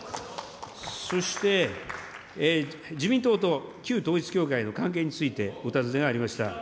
そして自民党と旧統一教会の関係についてお尋ねがありました。